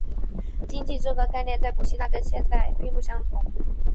经济这个概念在古希腊跟现代并不相同。